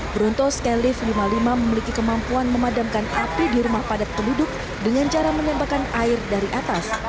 beruntung skylift lima puluh lima memiliki kemampuan memadamkan api di rumah padat penduduk dengan cara menembakkan air dari atas